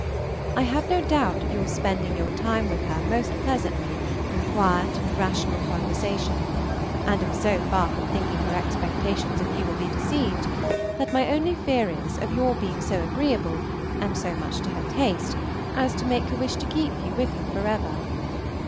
I have no doubt of your spending your time with her most pleasantly in quiet and rational conversation, and am so far from thinking her expectations of you will be deceived, that my only fear is of your being so agreeable, so much to her taste, as to make her wish to keep you with her forever.